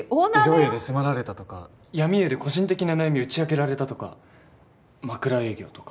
色営で迫られたとか病み営で個人的な悩み打ち明けられたとか枕営業とか。